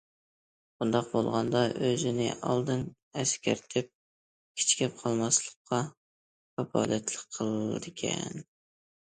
بۇنداق بولغاندا، ئۆزىنى ئالدىن ئەسكەرتىپ، كېچىكىپ قالماسلىققا كاپالەتلىك قىلىدىكەن.